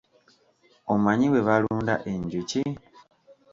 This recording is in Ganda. Omanyi bwe balunda enjuki?